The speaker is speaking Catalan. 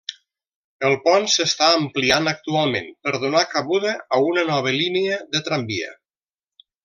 El pont s'està ampliant actualment per donar cabuda a una nova línia de tramvia.